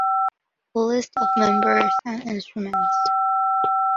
List of members and instruments.